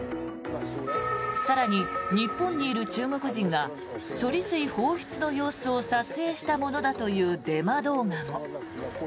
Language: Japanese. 更に、日本にいる中国人が処理水放出の様子を撮影したものだというデマ動画も。